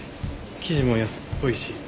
生地も安っぽいし。